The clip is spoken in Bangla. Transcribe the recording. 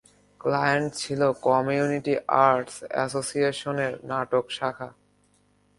ক্লায়েন্ট ছিল কমিউনিটি আর্টস এসোসিয়েশনের নাটক শাখা।